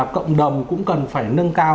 cộng đồng cũng cần phải nâng cao